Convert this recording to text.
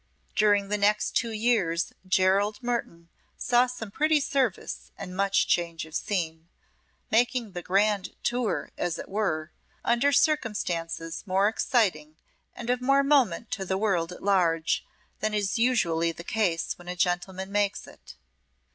During the next two years Gerald Mertoun saw some pretty service and much change of scene, making the "grand tour," as it were, under circumstances more exciting and of more moment to the world at large than is usually the case when a gentleman makes it.